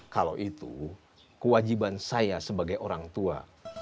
kalau itu kewajiban saya sebagai orang tua